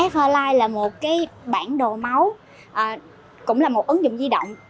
s bốn line là một bản đồ máu cũng là một ứng dụng di động